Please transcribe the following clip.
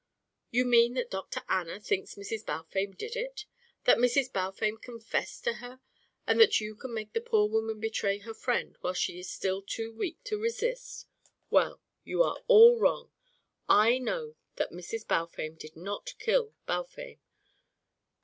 "You mean that Dr. Anna thinks Mrs. Balfame did it that Mrs. Balfame confessed to her and that you can make the poor woman betray her friend while she is still too weak to resist. Well, you are all wrong. I know that Mrs. Balfame did not kill Balfame.